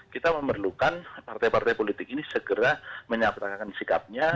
kita memerlukan partai partai politik ini segera menyatakan sikapnya